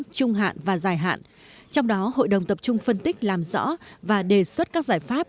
trung hạn và dài hạn trong đó hội đồng tập trung phân tích làm rõ và đề xuất các giải pháp